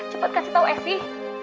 cepet kasih tau es sih